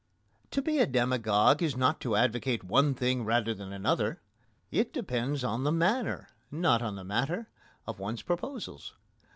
To be a demagogue is not to advocate one thing rather than another. It depends on the manner, not on the matter, of one's proposals.